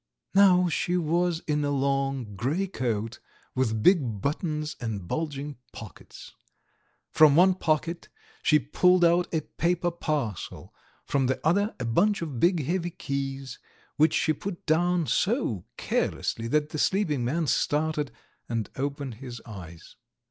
Now she was in a long, grey coat with big buttons and bulging pockets. From one pocket she pulled out a paper parcel, from the other a bunch of big, heavy keys, which she put down so carelessly that the sleeping man started and opened his eyes.